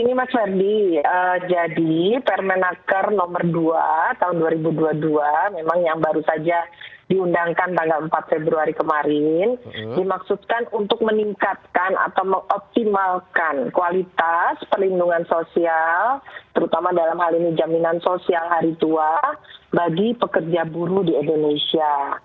ini mas verdi jadi permenaker nomor dua tahun dua ribu dua puluh dua memang yang baru saja diundangkan tanggal empat februari kemarin dimaksudkan untuk meningkatkan atau mengoptimalkan kualitas perlindungan sosial terutama dalam hal ini jaminan sosial hari tua bagi pekerja buruh di indonesia